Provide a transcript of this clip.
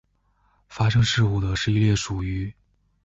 发生事故的是一列属于。